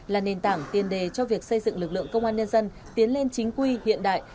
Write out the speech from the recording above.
là nền tảng tiền đề cho việc xây dựng lực lượng công an nhân dân tiến lên chính quy hiện đại